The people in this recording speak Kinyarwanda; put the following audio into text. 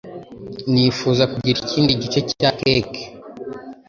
nifuza kugira ikindi gice cya keke